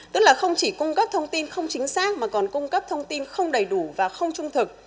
tức là không chỉ cung cấp thông tin không chính xác mà còn cung cấp thông tin không đầy đủ và không trung thực